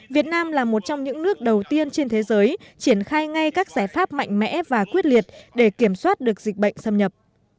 việt nam là một trong những nước đầu tiên trên thế giới triển khai ngay các giải pháp mạnh mẽ và quyết liệt để kiểm soát được dịch bệnh xâm nhập